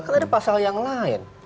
karena ada pasal yang lain